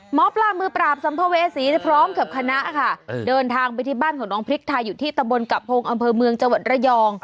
หมอปลามือปราบสัมภเวษีพร้อมกับคณะค่ะเดินทางไปที่บ้านของน้องพริกไทยอยู่ที่ตะบนกระพงอำเภอเมืองจังหวัดระยอง